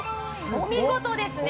◆お見事ですね。